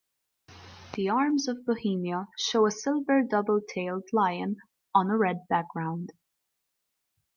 The arms of Bohemia show a silver double-tailed lion on a red background.